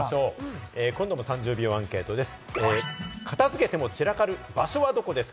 今度も３０秒アンケートです。